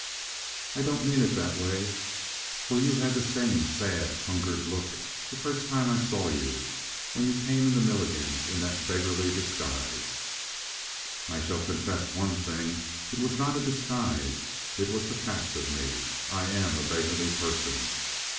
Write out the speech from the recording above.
"I don't mean it that way. For you had the same sad, hungered look the first time I saw you when you came into Milligan's in that beggarly disguise." "I shall confess one thing. It was not a disguise. It was the fact of me; I am a beggarly person."